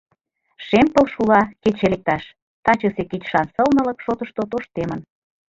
«Шем пыл шула, кече лекташ» тачысе кечышан сылнылык шотышто тоштемын.